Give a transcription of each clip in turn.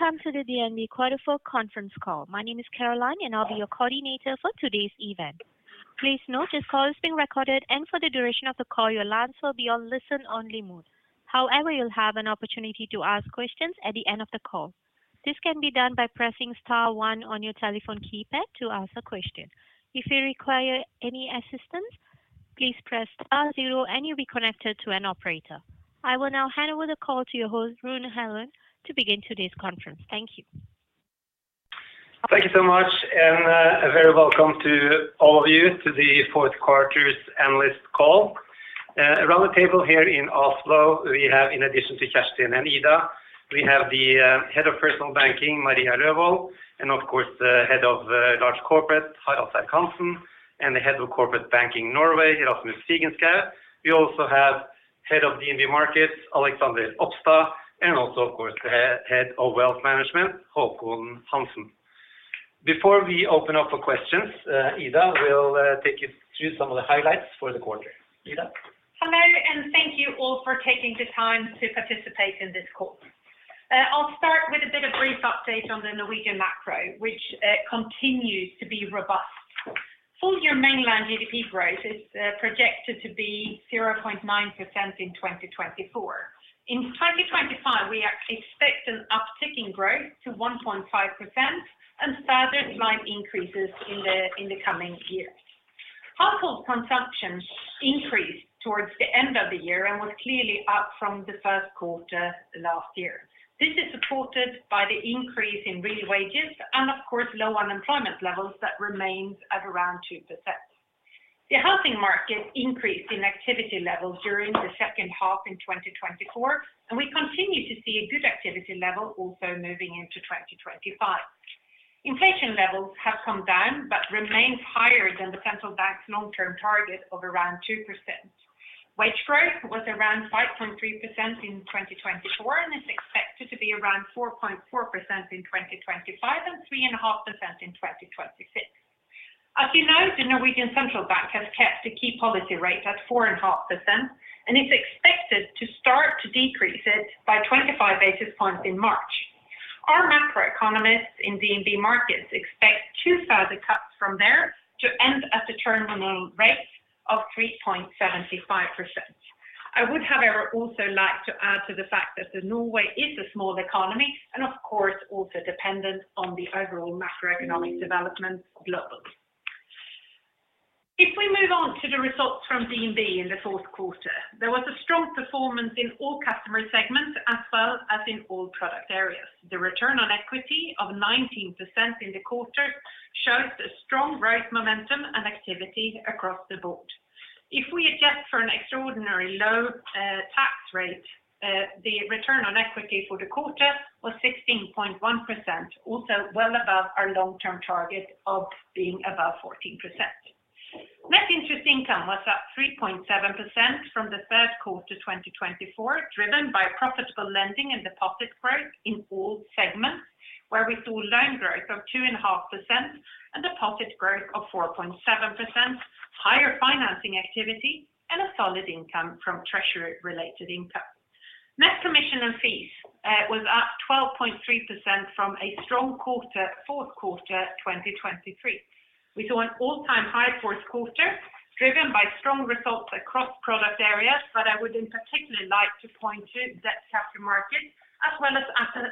Welcome to the DNB quarterly conference call. My name is Caroline, and I'll be your coordinator for today's event. Please note this call is being recorded, and for the duration of the call, your lines will be on listen-only mode. However, you'll have an opportunity to ask questions at the end of the call. This can be done by pressing star one on your telephone keypad to ask a question. If you require any assistance, please press star zero, and you'll be connected to an operator. I will now hand over the call to your host, Rune Helland, to begin today's conference. Thank you. Thank you so much, and a very welcome to all of you to the fourth quarter's earnings call. Around the table here in Oslo, we have, in addition to Kjerstin and Ida, we have the Head of Personal Banking, Maria Lovold, and of course, the Head of Large Corporate, Harald Serck-Hanssen, and the Head of Corporate Banking, Norway, Rasmus Figenschou. We also have Head of DNB Markets, Alexander Opstad, and also, of course, the Head of Wealth Management, Håkon Hansen. Before we open up for questions, Ida, we'll take you through some of the highlights for the quarter. Ida? Hello, and thank you all for taking the time to participate in this call. I'll start with a bit of a brief update on the Norwegian macro, which continues to be robust. Full-year mainland GDP growth is projected to be 0.9% in 2024. In 2025, we expect an uptick in growth to 1.5% and further slight increases in the coming year. Household consumption increased towards the end of the year and was clearly up from the first quarter last year. This is supported by the increase in real wages and, of course, low unemployment levels that remain at around 2%. The housing market increased in activity levels during the second half in 2024, and we continue to see a good activity level also moving into 2025. Inflation levels have come down but remain higher than the central bank's long-term target of around 2%. Wage growth was around 5.3% in 2024 and is expected to be around 4.4% in 2025 and 3.5% in 2026. As you know, the Norwegian central bank has kept the key policy rate at 4.5%, and it's expected to start to decrease it by 25 basis points in March. Our macroeconomists in DNB Markets expect two further cuts from there to end at a terminal rate of 3.75%. I would, however, also like to add to the fact that Norway is a small economy and, of course, also dependent on the overall macroeconomic development globally. If we move on to the results from DNB in the fourth quarter, there was a strong performance in all customer segments as well as in all product areas. The return on equity of 19% in the quarter showed a strong growth momentum and activity across the board. If we adjust for an extraordinary low tax rate, the return on equity for the quarter was 16.1%, also well above our long-term target of being above 14%. Net interest income was up 3.7% from the third quarter 2024, driven by profitable lending and deposit growth in all segments, where we saw loan growth of 2.5% and deposit growth of 4.7%, higher financing activity, and a solid income from treasury-related income. Net commission and fees was up 12.3% from a strong fourth quarter 2023. We saw an all-time high fourth quarter, driven by strong results across product areas, but I would in particular like to point to Debt Capital Markets as well as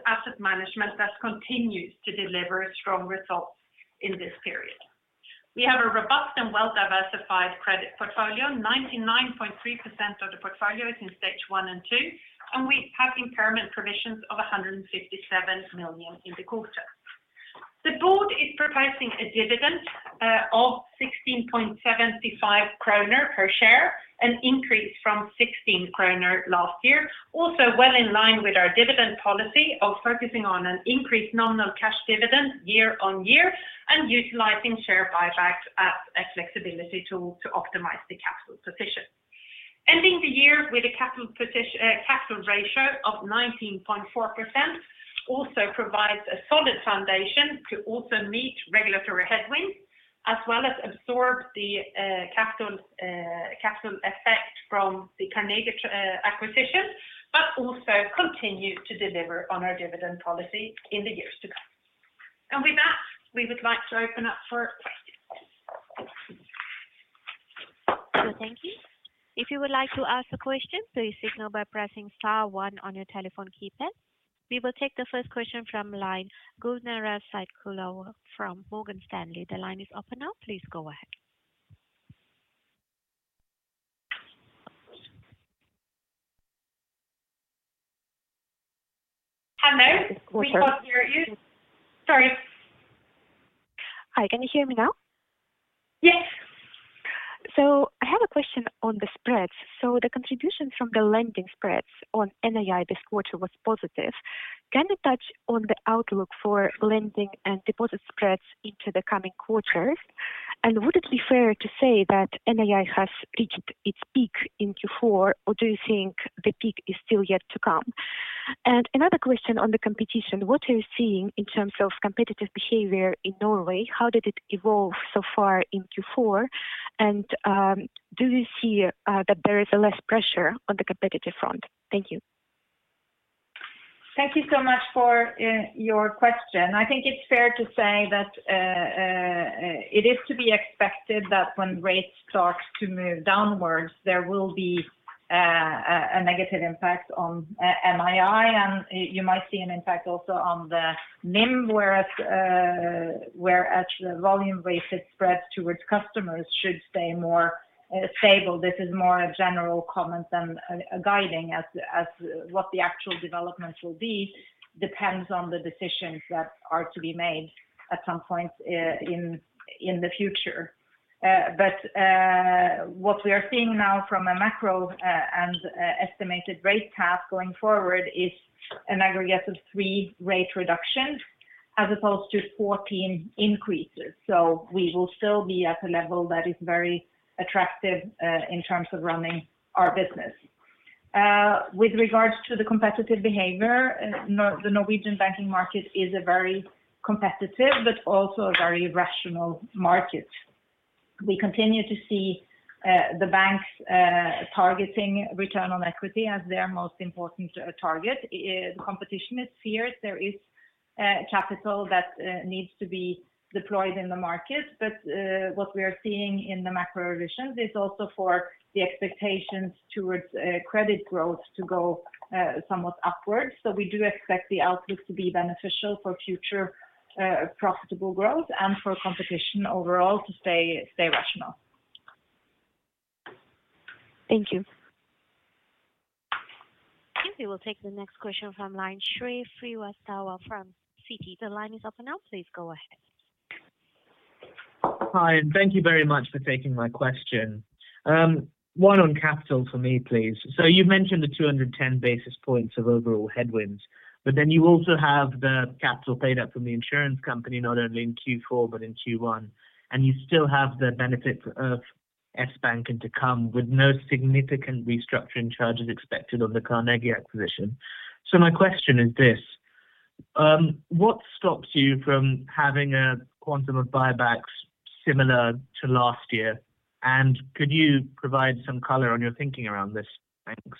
Asset Management that continues to deliver strong results in this period. We have a robust and well-diversified credit portfolio. 99.3% of the portfolio is in stage one and two, and we have impairment provisions of 157 million in the quarter. The board is proposing a dividend of 16.75 kroner per share, an increase from 16 kroner last year. Also, well in line with our dividend policy of focusing on an increased nominal cash dividend year on year and utilizing share buybacks as a flexibility tool to optimize the capital position. Ending the year with a capital ratio of 19.4% also provides a solid foundation to also meet regulatory headwinds as well as absorb the capital effect from the Carnegie acquisition, but also continue to deliver on our dividend policy in the years to come. And with that, we would like to open up for questions. Thank you. If you would like to ask a question, please signal by pressing star one on your telephone keypad. We will take the first question from line Gulnara Saitkulova from Morgan Stanley. The line is open now. Please go ahead. Hello. We can't hear you. Sorry. Hi, can you hear me now? Yes. So I have a question on the spreads. So the contributions from the lending spreads on NII this quarter was positive. Can you touch on the outlook for lending and deposit spreads into the coming quarters? And would it be fair to say that NII has reached its peak in Q4, or do you think the peak is still yet to come? And another question on the competition. What are you seeing in terms of competitive behavior in Norway? How did it evolve so far in Q4? And do you see that there is less pressure on the competitive front? Thank you. Thank you so much for your question. I think it's fair to say that it is to be expected that when rates start to move downwards, there will be a negative impact on NII, and you might see an impact also on the NIM, whereas the volume-based spreads towards customers should stay more stable. This is more a general comment than a guiding as what the actual development will be depends on the decisions that are to be made at some point in the future. But what we are seeing now from a macro and estimated rate path going forward is an aggregate of three rate reductions as opposed to 14 increases. So we will still be at a level that is very attractive in terms of running our business. With regards to the competitive behavior, the Norwegian banking market is a very competitive but also a very rational market. We continue to see the banks targeting return on equity as their most important target. Competition is fierce. There is capital that needs to be deployed in the market. But what we are seeing in the macro revisions is also for the expectations towards credit growth to go somewhat upward. So we do expect the outlook to be beneficial for future profitable growth and for competition overall to stay rational. Thank you. We will take the next question from line Shrey Srivastava from Citi. The line is open now. Please go ahead. Hi, and thank you very much for taking my question. One on capital for me, please. So you've mentioned the 210 basis points of overall headwinds, but then you also have the capital paid out from the insurance company not only in Q4 but in Q1, and you still have the benefit of Sbanken to come with no significant restructuring charges expected on the Carnegie acquisition. So my question is this: what stops you from having a quantum of buybacks similar to last year? And could you provide some color on your thinking around this? Thanks.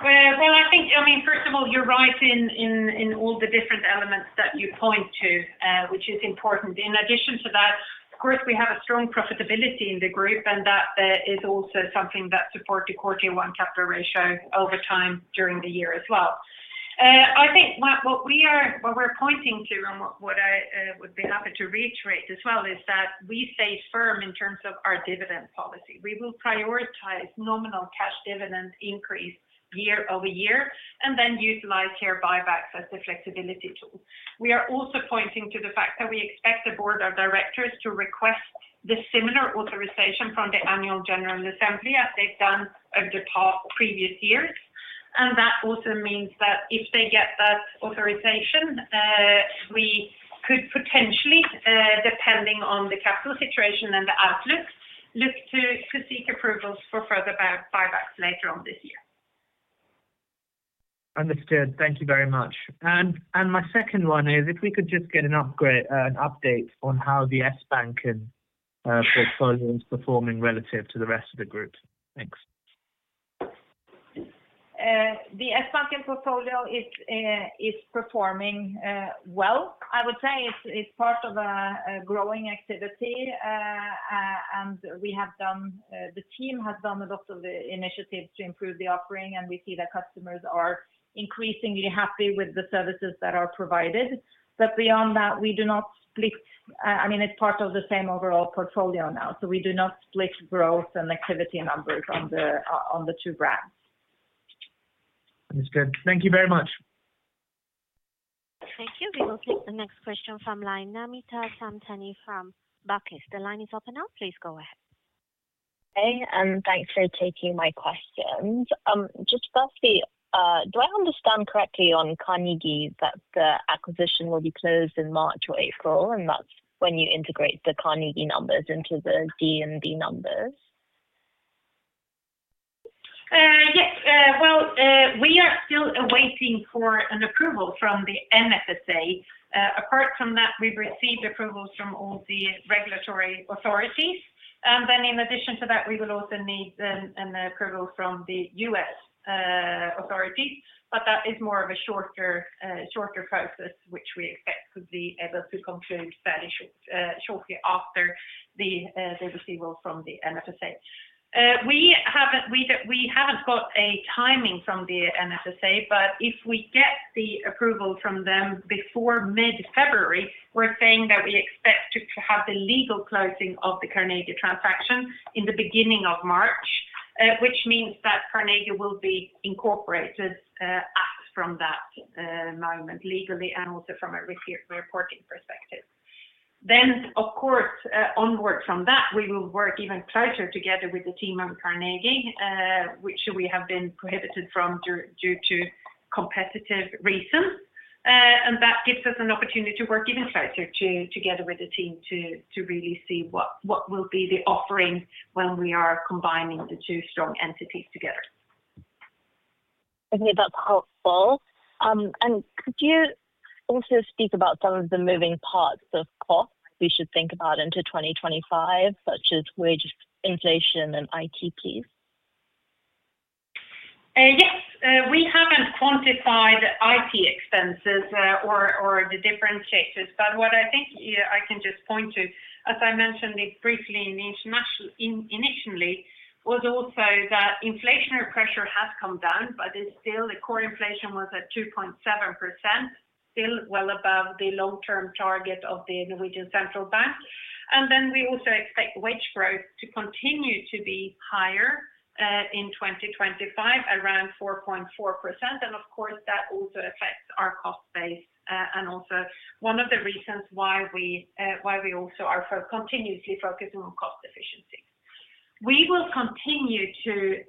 I think, I mean, first of all, you're right in all the different elements that you point to, which is important. In addition to that, of course, we have a strong profitability in the group, and that is also something that supports the quarter-to-quarter CET1 capital ratio over time during the year as well. I think what we are pointing to, and what I would be happy to reiterate as well, is that we stay firm in terms of our dividend policy. We will prioritize nominal cash dividend increase year over year and then utilize share buybacks as the flexibility tool. We are also pointing to the fact that we expect the board of directors to request the similar authorization from the Annual General Assembly as they've done over the previous years. That also means that if they get that authorization, we could potentially, depending on the capital situation and the outlook, look to seek approvals for further buybacks later on this year. Understood. Thank you very much. And my second one is if we could just get an update on how the Sbanken portfolio is performing relative to the rest of the group? Thanks. The Sbanken portfolio is performing well. I would say it's part of a growing activity, and the team has done a lot of the initiatives to improve the offering, and we see that customers are increasingly happy with the services that are provided, but beyond that, we do not split, I mean, it's part of the same overall portfolio now, so we do not split growth and activity numbers on the two brands. Understood. Thank you very much. Thank you. We will take the next question from line Namita Samtani from Barclays. The line is open now. Please go ahead. Hey, and thanks for taking my questions. Just firstly, do I understand correctly on Carnegie that the acquisition will be closed in March or April, and that's when you integrate the Carnegie numbers into the DNB numbers? Yes. Well, we are still awaiting for an approval from the NFSA. Apart from that, we've received approvals from all the regulatory authorities. And then, in addition to that, we will also need an approval from the U.S. authorities, but that is more of a shorter process, which we expect to be able to conclude fairly shortly after the receival from the NFSA. We haven't got a timing from the NFSA, but if we get the approval from them before mid-February, we're saying that we expect to have the legal closing of the Carnegie transaction in the beginning of March, which means that Carnegie will be incorporated from that moment legally and also from a reporting perspective. Then, of course, onward from that, we will work even closer together with the team on Carnegie, which we have been prohibited from due to competitive reasons. That gives us an opportunity to work even closer together with the team to really see what will be the offering when we are combining the two strong entities together. I think that's helpful. And could you also speak about some of the moving parts of costs we should think about into 2025, such as wage, inflation, and IT fees? Yes. We haven't quantified IT expenses or the different charges, but what I think I can just point to, as I mentioned briefly initially, was also that inflationary pressure has come down, but it's still the core inflation was at 2.7%, still well above the long-term target of the Norwegian central bank. And then we also expect wage growth to continue to be higher in 2025, around 4.4%. And of course, that also affects our cost base. And also one of the reasons why we also are continuously focusing on cost efficiency. We will continue to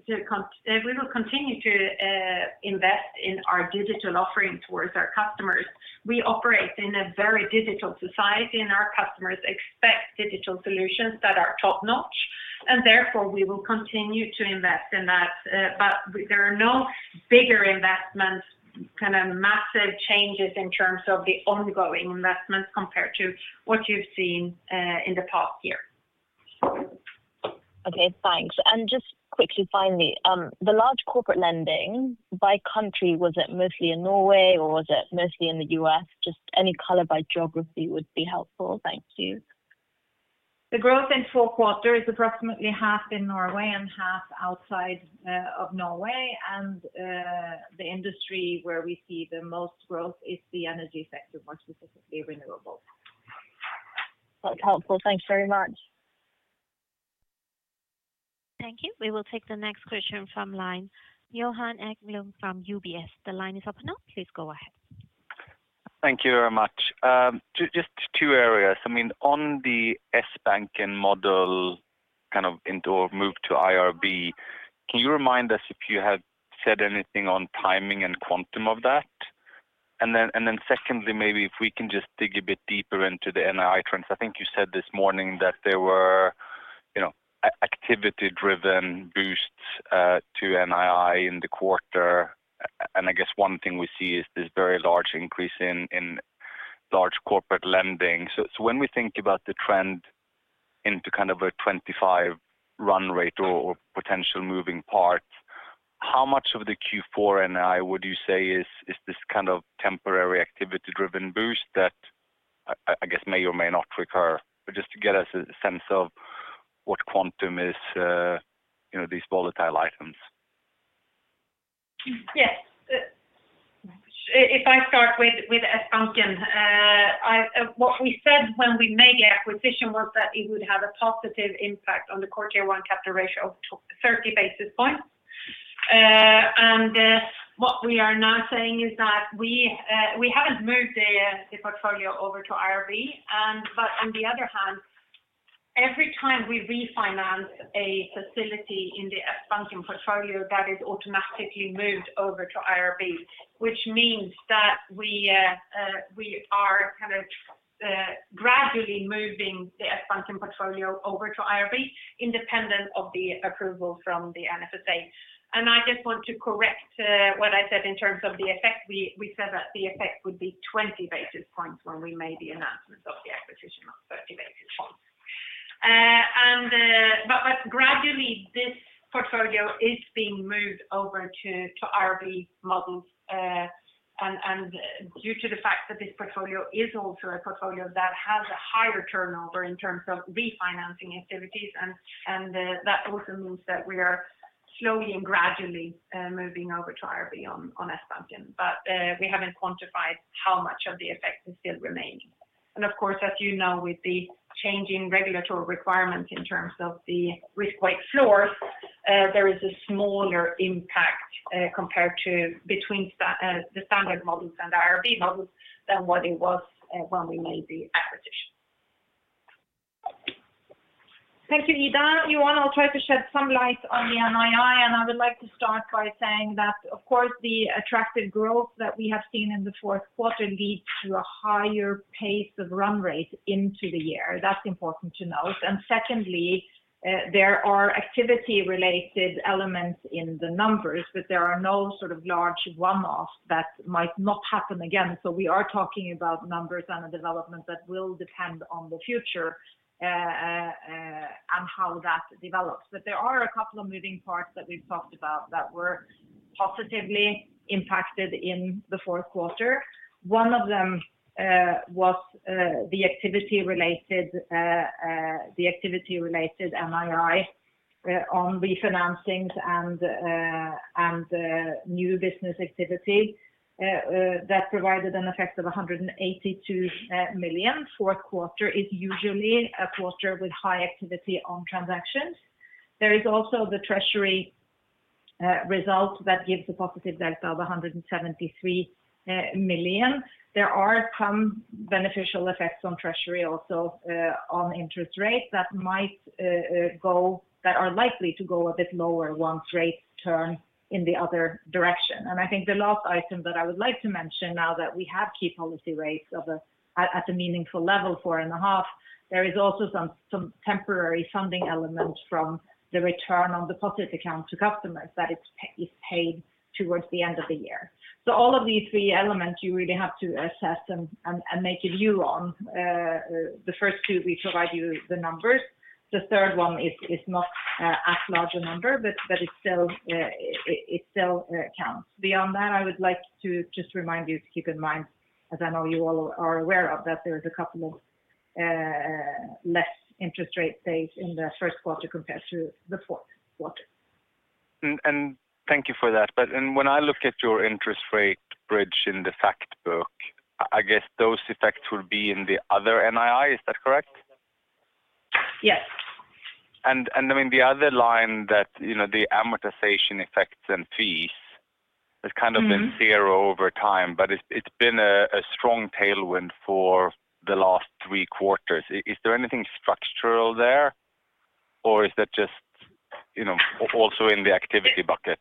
invest in our digital offering towards our customers. We operate in a very digital society, and our customers expect digital solutions that are top-notch. And therefore, we will continue to invest in that. But there are no bigger investments, kind of massive changes in terms of the ongoing investments compared to what you've seen in the past year. Okay. Thanks. And just quickly, finally, the large corporate lending by country, was it mostly in Norway, or was it mostly in the U.S.? Just any color by geography would be helpful. Thank you. The growth in four quarters is approximately half in Norway and half outside of Norway, and the industry where we see the most growth is the energy sector, more specifically renewables. That's helpful. Thanks very much. Thank you. We will take the next question from line Johan Ekblom from UBS. The line is open now. Please go ahead. Thank you very much. Just two areas. I mean, on the Sbanken model kind of into or move to IRB, can you remind us if you had said anything on timing and quantum of that? And then secondly, maybe if we can just dig a bit deeper into the NII trends. I think you said this morning that there were activity-driven boosts to NII in the quarter. And I guess one thing we see is this very large increase in large corporate lending. So when we think about the trend into kind of a 2025 run rate or potential moving parts, how much of the Q4 NII would you say is this kind of temporary activity-driven boost that I guess may or may not recur? But just to get us a sense of what quantum is these volatile items. Yes. If I start with Sbanken, what we said when we made the acquisition was that it would have a positive impact on the quarter-to-quarter CET1 capital ratio of 30 basis points. And what we are now saying is that we haven't moved the portfolio over to IRB. But on the other hand, every time we refinance a facility in the Sbanken portfolio, that is automatically moved over to IRB, which means that we are kind of gradually moving the Sbanken portfolio over to IRB independent of the approval from the NFSA. And I just want to correct what I said in terms of the effect. We said that the effect would be 20 basis points when we made the announcement of the acquisition of 30 basis points. But gradually, this portfolio is being moved over to IRB models. Due to the fact that this portfolio is also a portfolio that has a higher turnover in terms of refinancing activities, and that also means that we are slowly and gradually moving over to IRB on Sbanken. But we haven't quantified how much of the effect is still remaining. Of course, as you know, with the changing regulatory requirements in terms of the risk-weight floors, there is a smaller impact compared to between the standard models and the IRB models than what it was when we made the acquisition. Thank you, Ida. Johan, I'll try to shed some light on the NII. I would like to start by saying that, of course, the attractive growth that we have seen in the fourth quarter leads to a higher pace of run rate into the year. That's important to note. Secondly, there are activity-related elements in the numbers, but there are no sort of large one-offs that might not happen again. So we are talking about numbers and a development that will depend on the future and how that develops. But there are a couple of moving parts that we've talked about that were positively impacted in the fourth quarter. One of them was the activity-related NII on refinancings and new business activity that provided an effect of 182 million fourth quarter. It's usually a quarter with high activity on transactions. There is also the treasury result that gives a positive delta of 173 million. There are some beneficial effects on treasury also on interest rates that might go that are likely to go a bit lower once rates turn in the other direction. I think the last item that I would like to mention now that we have key policy rates at a meaningful level, four and a half. There is also some temporary funding element from the return on deposit account to customers that is paid towards the end of the year. All of these three elements, you really have to assess and make a view on. The first two, we provide you the numbers. The third one is not as large a number, but it still counts. Beyond that, I would like to just remind you to keep in mind, as I know you all are aware of, that there is a couple of less interest rate saved in the first quarter compared to the fourth quarter. Thank you for that. When I look at your interest rate bridge in the Factbook, I guess those effects will be in the other NII. Is that correct? Yes. And I mean, the other line that the amortization effects and fees has kind of been zero over time, but it's been a strong tailwind for the last three quarters. Is there anything structural there, or is that just also in the activity bucket?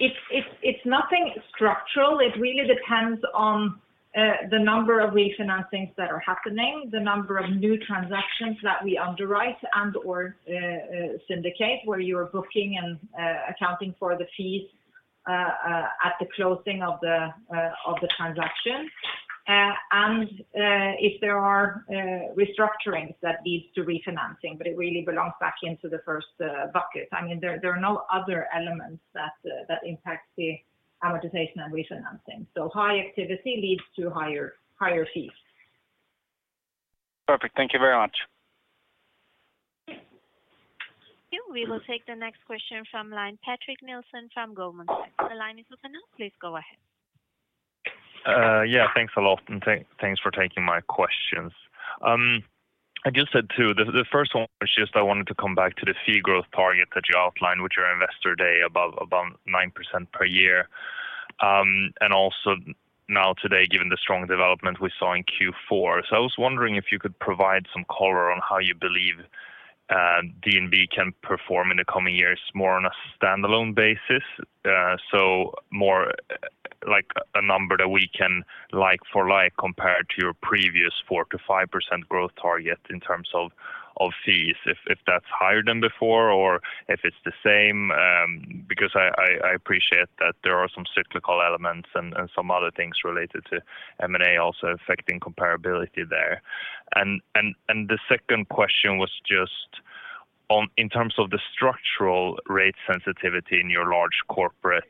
It's nothing structural. It really depends on the number of refinancings that are happening, the number of new transactions that we underwrite and/or syndicate where you are booking and accounting for the fees at the closing of the transaction. And if there are restructurings that lead to refinancing, but it really belongs back into the first bucket. I mean, there are no other elements that impact the amortization and refinancing. So high activity leads to higher fees. Perfect. Thank you very much. Thank you. We will take the next question from line Patrick Nelson from Goldman Sachs. The line is open now. Please go ahead. Yeah. Thanks a lot. And thanks for taking my questions. I just said two. The first one was just I wanted to come back to the fee growth target that you outlined, which at Investor Day above 9% per year. And also now today, given the strong development we saw in Q4. So I was wondering if you could provide some color on how you believe DNB can perform in the coming years more on a standalone basis. So more like a number that we can like for like compared to your previous 4% to 5% growth target in terms of fees, if that's higher than before or if it's the same. Because I appreciate that there are some cyclical elements and some other things related to M&A also affecting comparability there. The second question was just in terms of the structural rate sensitivity in your Large Corporate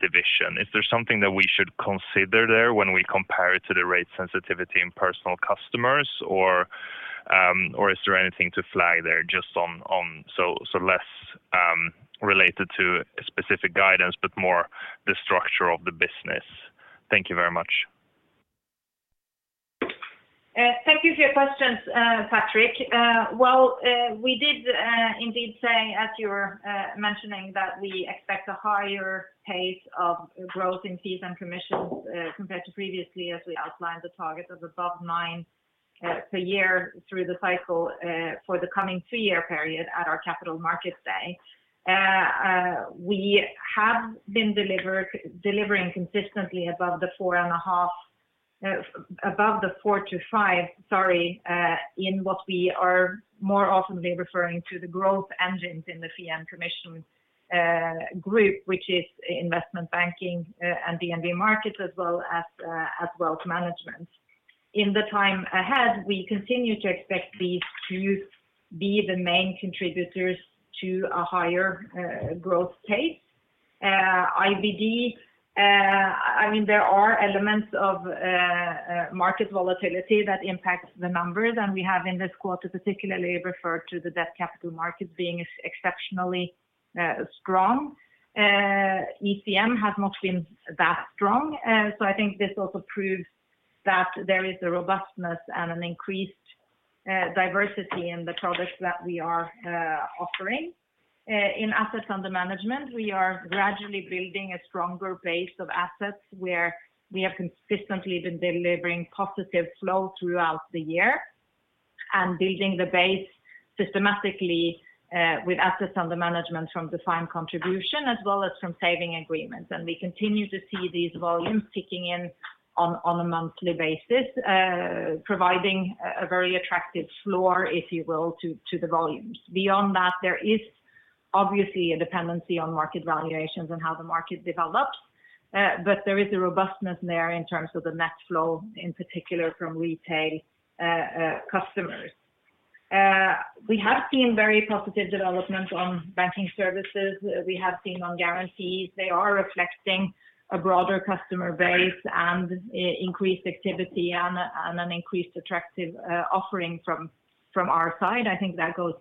division. Is there something that we should consider there when we compare it to the rate sensitivity in Personal Customers, or is there anything to flag there just on so less related to specific guidance, but more the structure of the business? Thank you very much. Thank you for your questions, Patrick. We did indeed say, as you were mentioning, that we expect a higher pace of growth in fees and commissions compared to previously, as we outlined the target of above 9% per year through the cycle for the coming three-year period at our Capital Markets Day. We have been delivering consistently above the four and a half, above the four to five, sorry, in what we are more often referring to the growth engines in the fee and commission group, which is investment banking and DNB Markets as well as wealth management. In the time ahead, we continue to expect these to be the main contributors to a higher growth pace. IBD, I mean, there are elements of market volatility that impact the numbers. We have in this quarter particularly referred to the Debt Capital Markets being exceptionally strong. ECM has not been that strong, so I think this also proves that there is a robustness and an increased diversity in the products that we are offering. In assets under management, we are gradually building a stronger base of assets where we have consistently been delivering positive flow throughout the year and building the base systematically with assets under management from defined contribution as well as from saving agreements, and we continue to see these volumes ticking in on a monthly basis, providing a very attractive floor, if you will, to the volumes. Beyond that, there is obviously a dependency on market valuations and how the market develops, but there is a robustness there in terms of the net flow, in particular from retail customers. We have seen very positive developments on banking services. We have seen on guarantees. They are reflecting a broader customer base and increased activity and an increased attractive offering from our side. I think that goes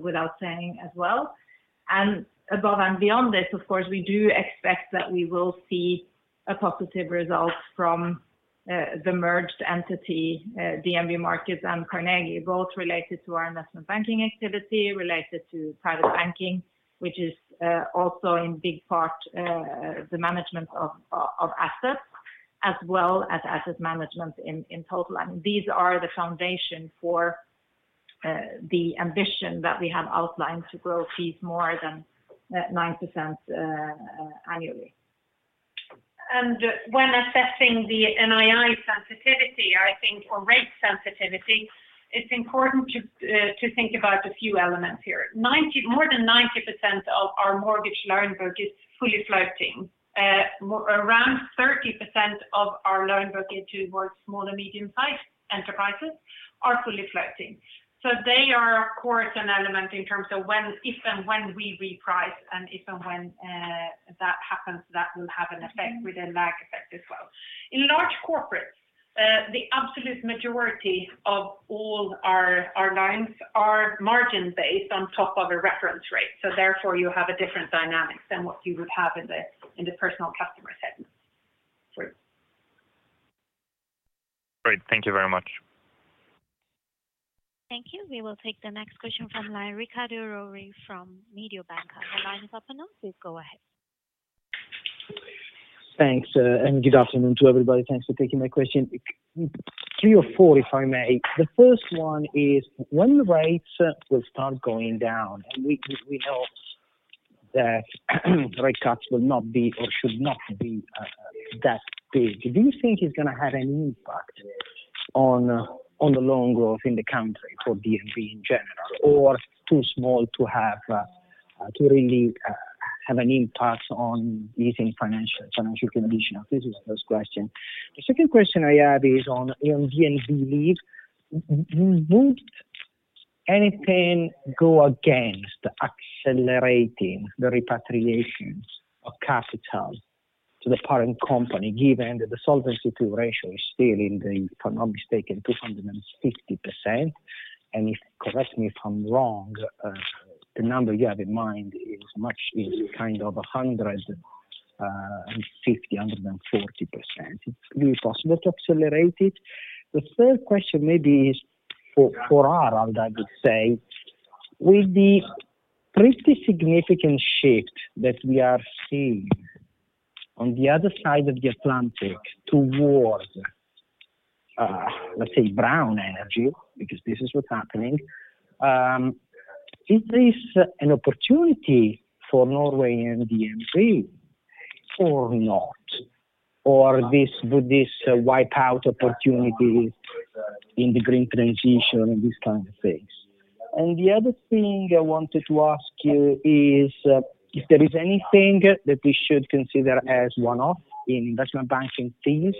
without saying as well, and above and beyond this, of course, we do expect that we will see a positive result from the merged entity, DNB Markets and Carnegie, both related to our investment banking activity, related to Private Banking, which is also in big part the management of assets, as well as Asset Management in total. I mean, these are the foundation for the ambition that we have outlined to grow fees more than 9% annually, and when assessing the NII sensitivity, I think, or rate sensitivity, it's important to think about a few elements here. More than 90% of our mortgage loan book is fully floating. Around 30% of our loan book into more small and medium-sized enterprises are fully floating. So they are a core element in terms of if and when we reprice and if and when that happens, that will have an effect with a lag effect as well. In large corporates, the absolute majority of all our lines are margin-based on top of a reference rate. So therefore, you have a different dynamic than what you would have in the personal customer segment. Great. Thank you very much. Thank you. We will take the next question from line Riccardo Rovere from Mediobanca. The line is open now. Please go ahead. Thanks. And good afternoon to everybody. Thanks for taking my question. Three or four, if I may. The first one is when rates will start going down and we know that rate cuts will not be or should not be that big, do you think it's going to have any impact on the loan growth in the country for DNB in general, or too small to really have an impact on easing financial conditions? This is the first question. The second question I have is on DNB Life. Would anything go against accelerating the repatriation of capital to the parent company, given that the solvency ratio is still, if I'm not mistaken, 250%? And if you correct me if I'm wrong, the number you have in mind is kind of 150%-140%. Is it possible to accelerate it? The third question maybe is for Harald, I would say, with the pretty significant shift that we are seeing on the other side of the Atlantic towards, let's say, brown energy, because this is what's happening, is this an opportunity for Norway and DNB or not? Or would this wipe out opportunities in the green transition and this kind of thing? And the other thing I wanted to ask you is if there is anything that we should consider as one-off in investment banking fees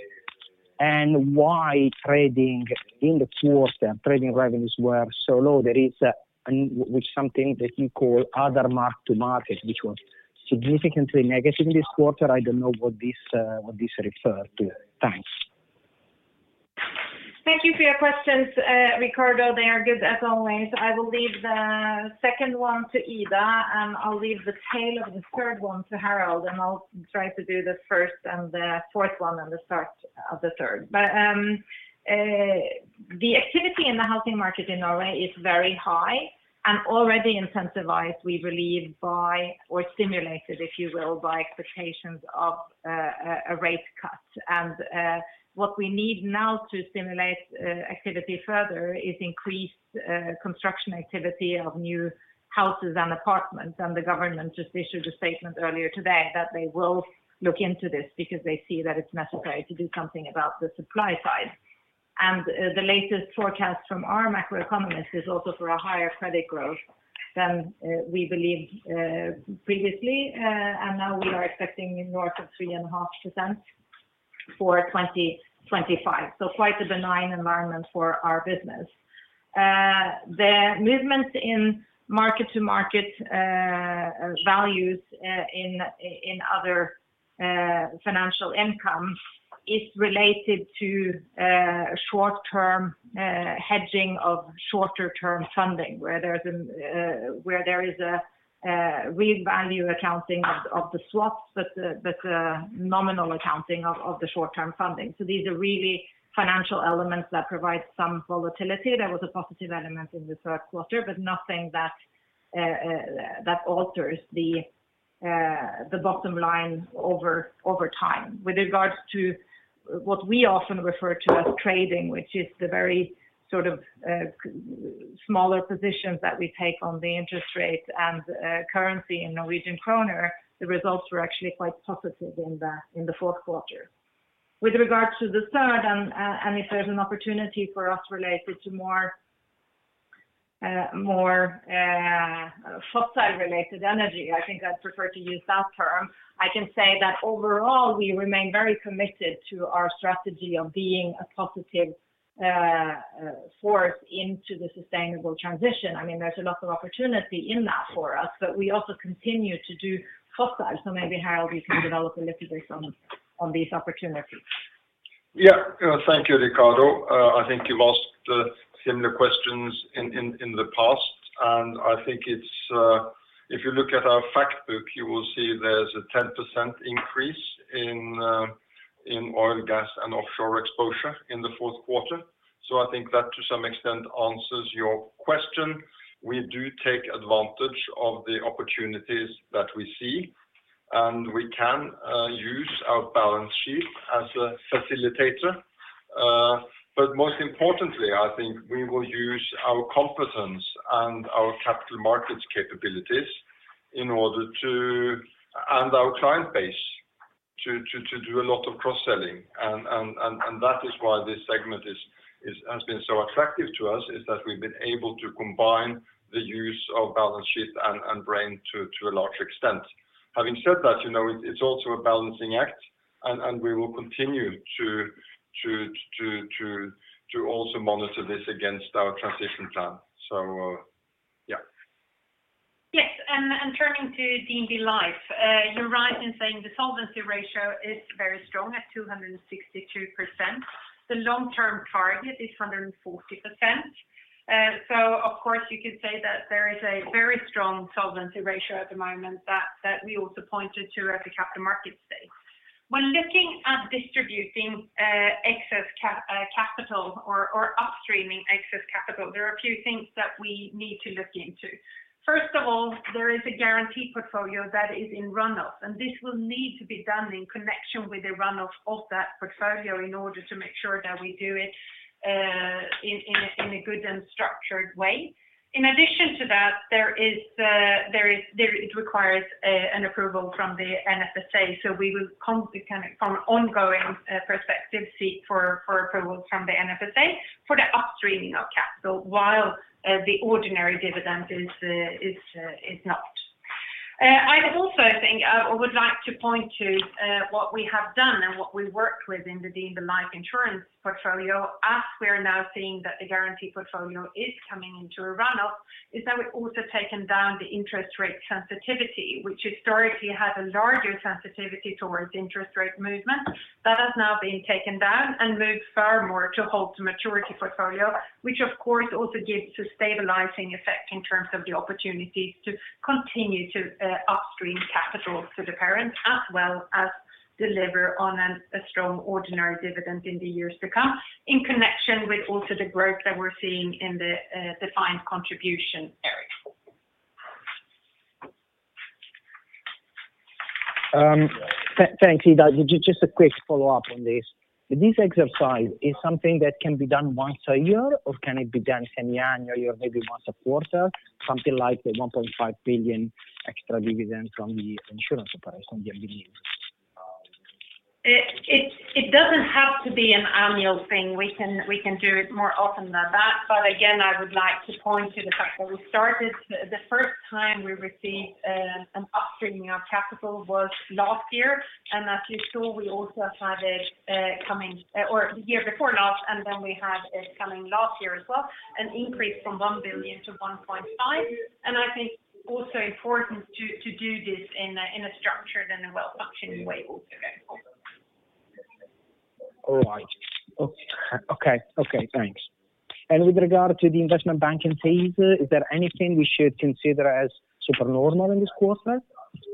and why trading in the quarter, trading revenues were so low. There is something that you call other mark-to-market, which was significantly negative this quarter. I don't know what this refers to. Thanks. Thank you for your questions, Riccardo. They are good as always. I will leave the second one to Ida, and I'll leave the tail of the third one to Harald, and I'll try to do the first and the fourth one and the start of the third. But the activity in the housing market in Norway is very high and already intensified, we believe, by or stimulated, if you will, by expectations of a rate cut. And what we need now to stimulate activity further is increased construction activity of new houses and apartments. And the government just issued a statement earlier today that they will look into this because they see that it's necessary to do something about the supply side. And the latest forecast from our macroeconomist is also for a higher credit growth than we believed previously. And now we are expecting north of 3.5% for 2025. So quite a benign environment for our business. The movements in mark-to-market values in other financial income is related to short-term hedging of shorter-term funding, where there is a fair value accounting of the swaps, but the nominal accounting of the short-term funding. So these are really financial elements that provide some volatility. There was a positive element in the third quarter, but nothing that alters the bottom line over time. With regards to what we often refer to as trading, which is the very sort of smaller positions that we take on the interest rate and currency in Norwegian kroner, the results were actually quite positive in the fourth quarter. With regards to the third, and if there's an opportunity for us related to more fossil-related energy, I think I'd prefer to use that term. I can say that overall, we remain very committed to our strategy of being a positive force into the sustainable transition. I mean, there's a lot of opportunity in that for us, but we also continue to do fossil. So maybe Harald, you can develop a little bit on these opportunities. Yeah. Thank you, Riccardo. I think you've asked similar questions in the past. And I think if you look at our Factbook, you will see there's a 10% increase in oil, gas, and offshore exposure in the fourth quarter. So I think that to some extent answers your question. We do take advantage of the opportunities that we see, and we can use our balance sheet as a facilitator. But most importantly, I think we will use our competence and our capital markets capabilities in order to, and our client base, to do a lot of cross-selling. And that is why this segment has been so attractive to us, is that we've been able to combine the use of balance sheet and brain to a large extent. Having said that, it's also a balancing act, and we will continue to also monitor this against our transition plan. So yeah. Yes. And turning to DNB Life, you're right in saying the solvency ratio is very strong at 262%. The long-term target is 140%. So of course, you can say that there is a very strong solvency ratio at the moment that we also pointed to at the capital markets day. When looking at distributing excess capital or upstreaming excess capital, there are a few things that we need to look into. First of all, there is a guarantee portfolio that is in runoff, and this will need to be done in connection with the runoff of that portfolio in order to make sure that we do it in a good and structured way. In addition to that, it requires an approval from the NFSA. So we will, from an ongoing perspective, seek for approvals from the NFSA for the upstreaming of capital while the ordinary dividend is not. I would also think I would like to point to what we have done and what we worked with in the DNB Life insurance portfolio. As we're now seeing that the guarantee portfolio is coming into a runoff, we've also taken down the interest rate sensitivity, which historically had a larger sensitivity towards interest rate movement. That has now been taken down and moved far more to hold-to-maturity portfolio, which of course also gives a stabilizing effect in terms of the opportunities to continue to upstream capital to the parent as well as deliver on a strong ordinary dividend in the years to come in connection with also the growth that we're seeing in the defined contribution area. Thanks, Ida. Just a quick follow-up on this. This exercise is something that can be done once a year, or can it be done semi-annually, or maybe once a quarter, something like the 1.5 billion extra dividend from the insurance operation, DNB? It doesn't have to be an annual thing. We can do it more often than that. But again, I would like to point to the fact that we started the first time we received an upstreaming of capital was last year. And as you saw, we also had it coming, or the year before last, and then we had it coming last year as well, an increase from 1 billion to 1.5 billion. And I think also important to do this in a structured and a well-functioning way also going forward. All right. Okay. Okay. Thanks. And with regard to the investment banking fees, is there anything we should consider as supernormal in this quarter?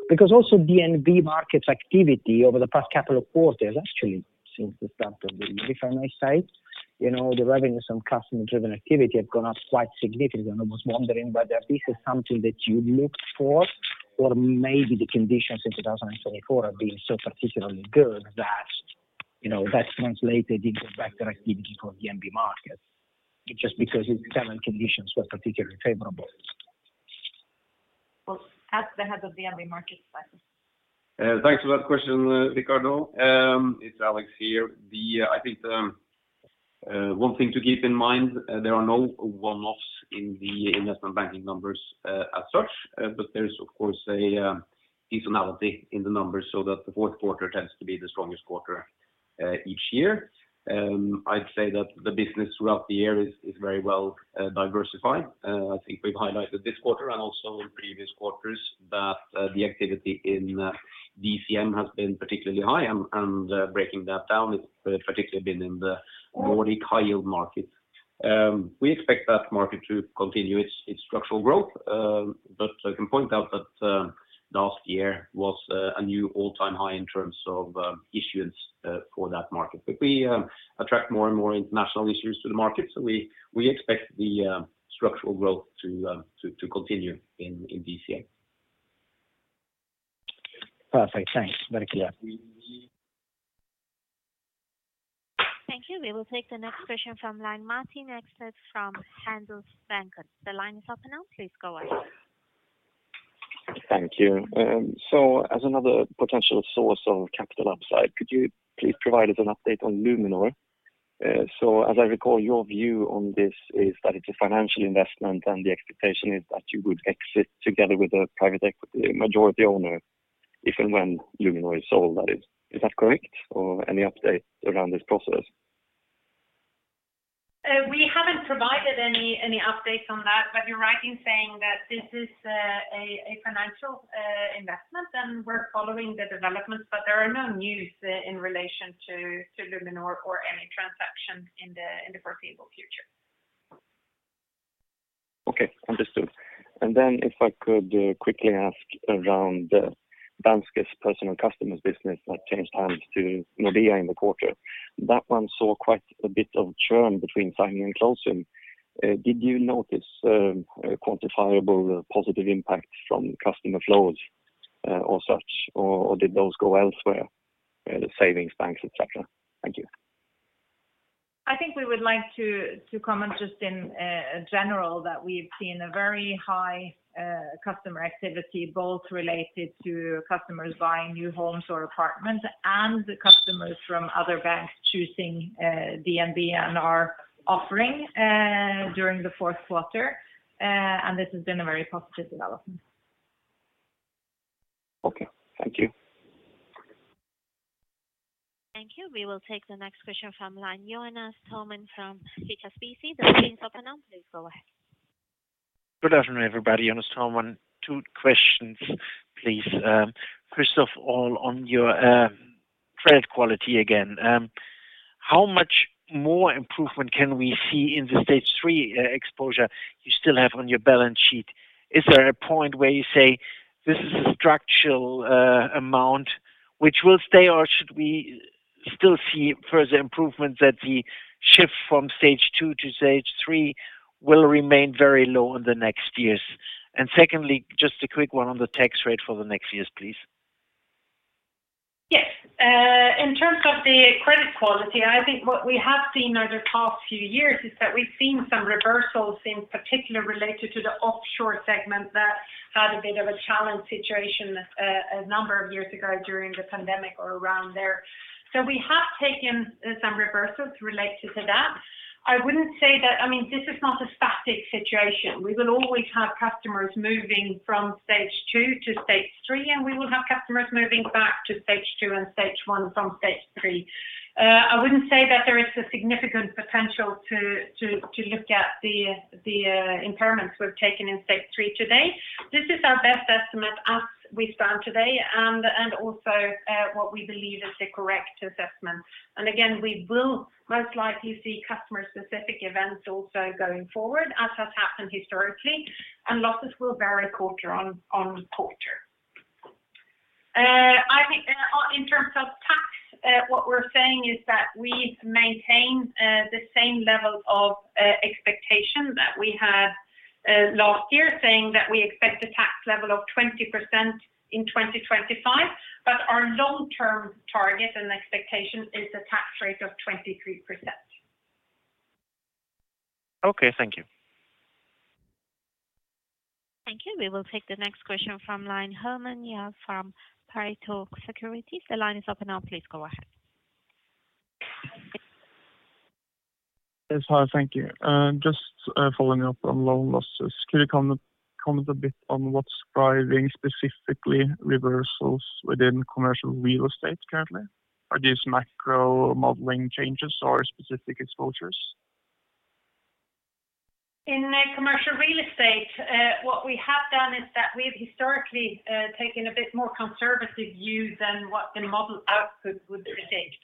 Because also DNB Markets activity over the past couple of quarters, actually, since the start of the year, if I may say, the revenues from customer-driven activity have gone up quite significantly. I was wondering whether this is something that you looked for, or maybe the conditions in 2024 have been so particularly good that that translated into better activity for DNB Markets, just because its current conditions were particularly favorable. Ask the Head of DNB Markets, please. Thanks for that question, Riccardo. It's Alex here. I think one thing to keep in mind, there are no one-offs in the investment banking numbers as such, but there is, of course, a seasonality in the numbers so that the fourth quarter tends to be the strongest quarter each year. I'd say that the business throughout the year is very well diversified. I think we've highlighted this quarter and also in previous quarters that the activity in DCM has been particularly high, and breaking that down, it's particularly been in the Nordic high-yield markets. We expect that market to continue its structural growth, but I can point out that last year was a new all-time high in terms of issuance for that market. But we attract more and more international issuers to the market, so we expect the structural growth to continue in DCM. Perfect. Thanks, very clear. Thank you. We will take the next question from Martin Nilsson is from Handelsbanken. The line is open now. Please go ahead. Thank you. So as another potential source of capital upside, could you please provide us an update on Luminor? So as I recall, your view on this is that it's a financial investment, and the expectation is that you would exit together with a private equity majority owner if and when Luminor is sold. Is that correct, or any update around this process? We haven't provided any updates on that, but you're right in saying that this is a financial investment, and we're following the developments, but there are no news in relation to Luminor or any transaction in the foreseeable future. Okay. Understood. And then if I could quickly ask about Danske's Personal Customers business that changed hands to Nordea in the quarter, that one saw quite a bit of churn between signing and closing. Did you notice quantifiable positive impacts from customer flows or such, or did those go elsewhere? Savings, banks, etc. Thank you. I think we would like to comment just in general that we've seen a very high customer activity, both related to customers buying new homes or apartments and customers from other banks choosing DNB and our offering during the fourth quarter, and this has been a very positive development. Okay. Thank you. Thank you. We will take the next question from Joonas Tuominen from Jefferies. The screen's open now. Please go ahead. Good afternoon, everybody. Joonas Tuominen. Two questions, please. First of all, on your credit quality again, how much more improvement can we see in the stage three exposure you still have on your balance sheet? Is there a point where you say, "This is a structural amount," which will stay, or should we still see further improvement that the shift from stage two to stage three will remain very low in the next years? And secondly, just a quick one on the tax rate for the next years, please. Yes. In terms of the credit quality, I think what we have seen over the past few years is that we've seen some reversals, in particular related to the offshore segment that had a bit of a challenge situation a number of years ago during the pandemic or around there. So we have taken some reversals related to that. I wouldn't say that, I mean, this is not a static situation. We will always have customers moving from stage two to stage three, and we will have customers moving back to stage two and stage one from stage three. I wouldn't say that there is a significant potential to look at the impairments we've taken in stage three today. This is our best estimate as we stand today and also what we believe is the correct assessment. And again, we will most likely see customer-specific events also going forward, as has happened historically, and losses will vary quarter on quarter. In terms of tax, what we're saying is that we maintain the same level of expectation that we had last year, saying that we expect a tax level of 20% in 2025, but our long-term target and expectation is a tax rate of 23%. Okay. Thank you. Thank you. We will take the next question from line Herman from Pareto Securities. The line is open now. Please go ahead. As well, thank you. Just following up on loan losses, could you comment a bit on what's driving specifically reversals within commercial real estate currently? Are these macro modeling changes or specific exposures? In commercial real estate, what we have done is that we've historically taken a bit more conservative view than what the model output would predict.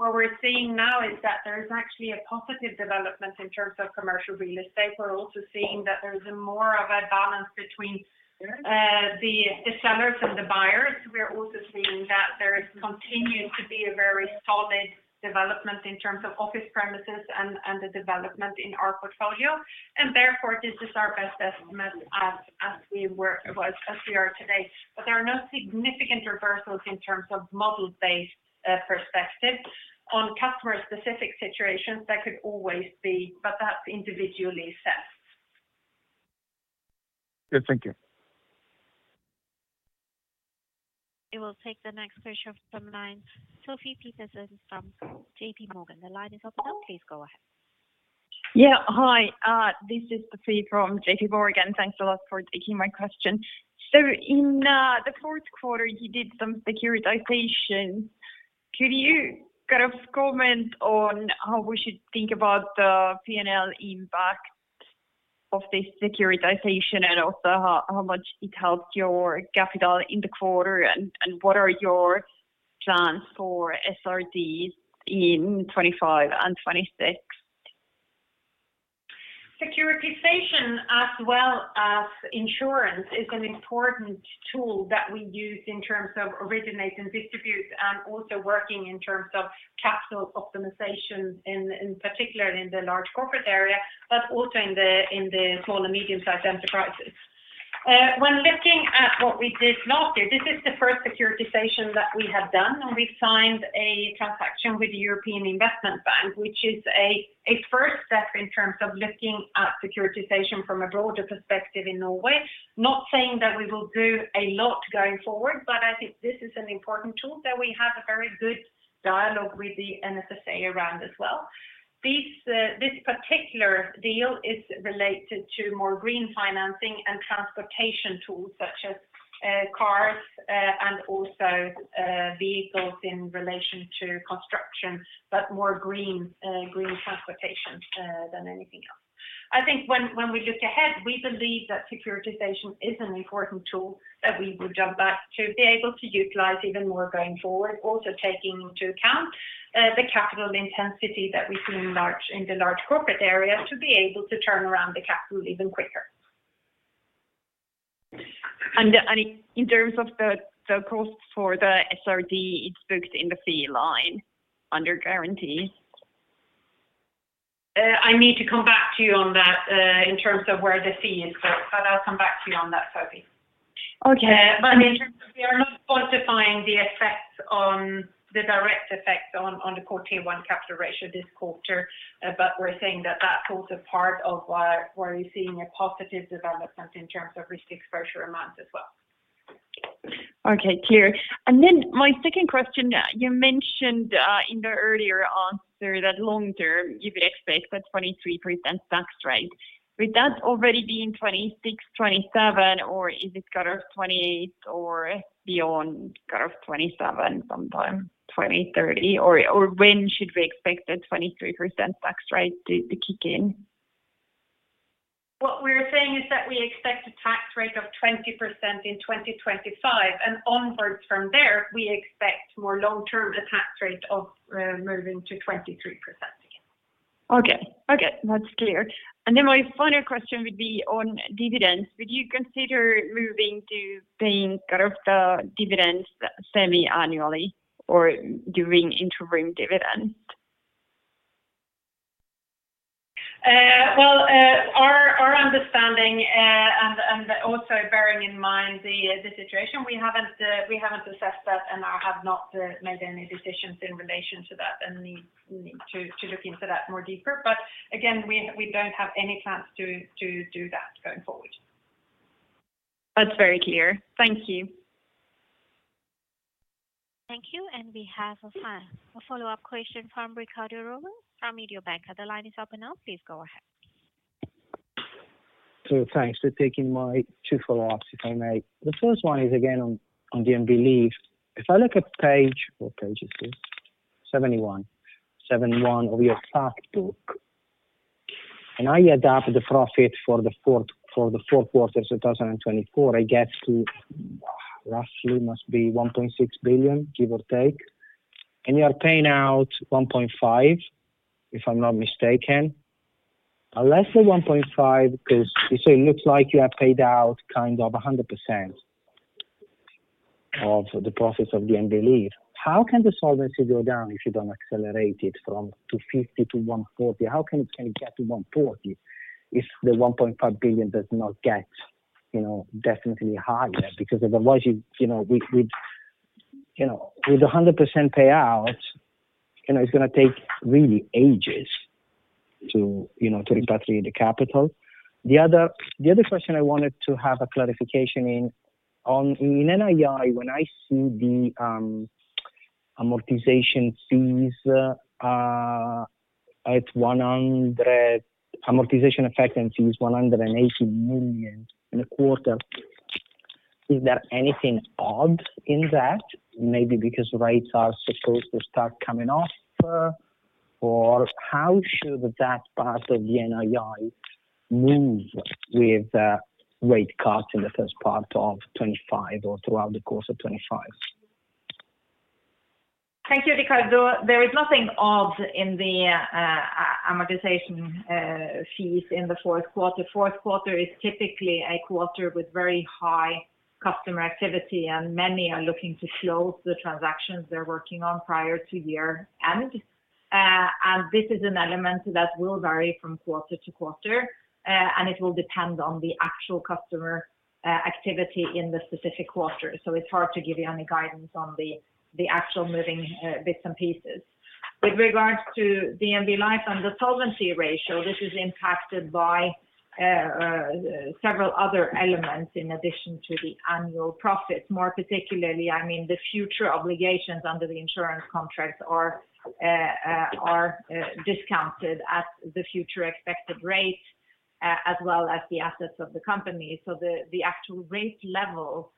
What we're seeing now is that there's actually a positive development in terms of commercial real estate. We're also seeing that there's more of a balance between the sellers and the buyers. We're also seeing that there continues to be a very solid development in terms of office premises and the development in our portfolio. And therefore, this is our best estimate as we are today. But there are no significant reversals in terms of model-based perspective on customer-specific situations that could always be, but that's individually set. Good. Thank you. We will take the next question from line Sofie Peterzens from JPMorgan. The line is open now. Please go ahead. Yeah. Hi. This is Sofie from JPMorgan. Thanks a lot for taking my question. So in the fourth quarter, you did some securitization. Could you kind of comment on how we should think about the P&L impact of this securitization and also how much it helped your capital in the quarter, and what are your plans for SRTs in 2025 and 2026? Securitization, as well as insurance, is an important tool that we use in terms of originating, distributing and also working in terms of capital optimization, in particular in the large corporate area, but also in the small and medium-sized enterprises. When looking at what we did last year, this is the first securitization that we have done, and we've signed a transaction with the European Investment Bank, which is a first step in terms of looking at securitization from a broader perspective in Norway. Not saying that we will do a lot going forward, but I think this is an important tool that we have a very good dialogue with the NFSA around as well. This particular deal is related to more green financing and transportation tools such as cars and also vehicles in relation to construction, but more green transportation than anything else. I think when we look ahead, we believe that securitization is an important tool that we would jump back to be able to utilize even more going forward, also taking into account the capital intensity that we see in the large corporate area to be able to turn around the capital even quicker. In terms of the cost for the SRT, it's booked in the fee line under guarantee? I need to come back to you on that in terms of where the fee is booked, but I'll come back to you on that, Sofie. Okay. But in terms of we are not quantifying the effects on the direct effects on the quarter one capital ratio this quarter, but we're saying that that's also part of why we're seeing a positive development in terms of risk exposure amounts as well. Okay. Clear, and then my second question, you mentioned in the earlier answer that long-term you would expect a 23% tax rate. Would that already be in 2026, 2027, or is it kind of 2028 or beyond, kind of 2027 sometime, 2020, 2030, or when should we expect that 23% tax rate to kick in? What we're saying is that we expect a tax rate of 20% in 2025, and onwards from there, we expect more long-term a tax rate of moving to 23% again. Okay. Okay. That's clear. And then my final question would be on dividends. Would you consider moving to paying kind of the dividends semi-annually or doing interim dividends? Our understanding and also bearing in mind the situation, we haven't assessed that and have not made any decisions in relation to that and need to look into that more deeper, but again, we don't have any plans to do that going forward. That's very clear. Thank you. Thank you. And we have a follow-up question from Riccardo Rovere from Mediobanca. The line is open now. Please go ahead. Thanks for taking my two follow-ups, if I may. The first one is again on DNB Life. If I look at page 71 of your Factbook, and I add up the profit for the fourth quarter of 2024, I guess roughly must be 1.6 billion, give or take, and you are paying out 1.5, if I'm not mistaken. I'll say 1.5 because you say it looks like you have paid out kind of 100% of the profits of DNB Life. How can the solvency go down if you don't accelerate it from 250 to 140? How can it get to 140 if the 1.5 billion does not get significantly higher? Because otherwise, with 100% payout, it's going to take really ages to repatriate the capital. The other question I wanted to have a clarification in NII, when I see the amortization fees at 100, amortization effects and fees 180 million in a quarter, is there anything odd in that? Maybe because rates are supposed to start coming off, or how should that part of the NII move with rate cuts in the first part of 2025 or throughout the course of 2025? Thank you, Riccardo. There is nothing odd in the amortization fees in the fourth quarter. Fourth quarter is typically a quarter with very high customer activity, and many are looking to close the transactions they're working on prior to year-end. And this is an element that will vary from quarter to quarter, and it will depend on the actual customer activity in the specific quarter. So it's hard to give you any guidance on the actual moving bits and pieces. With regards to DNB Life and the solvency ratio, this is impacted by several other elements in addition to the annual profits. More particularly, I mean, the future obligations under the insurance contracts are discounted at the future expected rate, as well as the assets of the company. So the actual rate level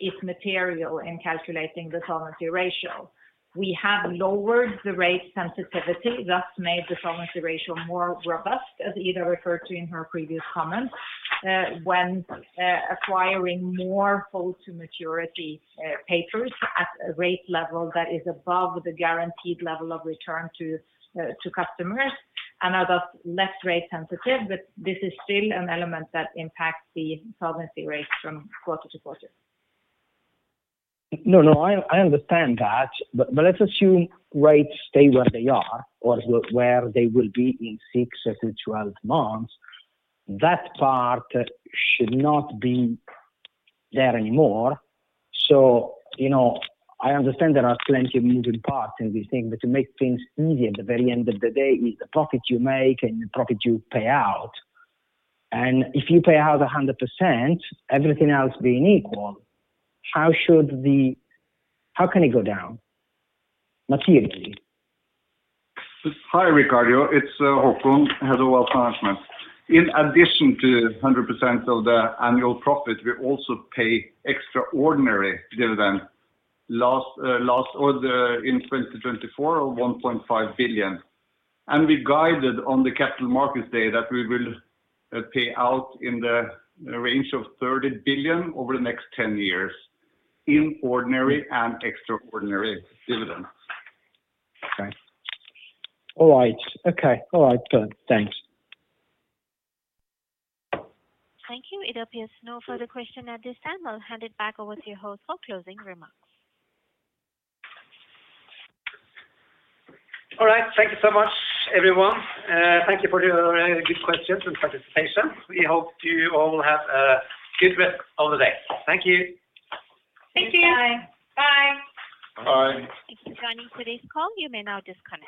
is material in calculating the solvency ratio. We have lowered the rate sensitivity, thus made the solvency ratio more robust, as Ida referred to in her previous comments, when acquiring more hold-to-maturity papers at a rate level that is above the guaranteed level of return to customers, and I thought less rate sensitive, but this is still an element that impacts the solvency rate from quarter to quarter. No, no. I understand that, but let's assume rates stay where they are or where they will be in six or twelve months. That part should not be there anymore, so I understand there are plenty of moving parts in these things, but to make things easier, at the very end of the day, is the profit you make and the profit you pay out, and if you pay out 100%, everything else being equal, how can it go down materially? Hi, Riccardo. It's Håkon. Hello also, Herman. In addition to 100% of the annual profit, we also pay extraordinary dividends, last quarter in 2024 of 1.5 billion, and we guided on the Capital Markets Day that we will pay out in the range of 30 billion over the next 10 years in ordinary and extraordinary dividends. Okay. All right. Okay. All right. Thanks. Thank you. It appears no further question at this time. I'll hand it back over to your host for closing remarks. All right. Thank you so much, everyone. Thank you for your good questions and participation. We hope you all have a good rest of the day. Thank you. Thank you. Thank you. Bye. Bye. Bye. Thank you for joining today's call. You may now just cut.